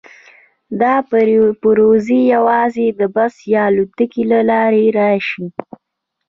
دا پرزې باید د بس یا الوتکې له لارې راشي